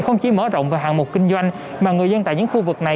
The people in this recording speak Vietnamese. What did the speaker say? không chỉ mở rộng về hạng mục kinh doanh mà người dân tại những khu vực này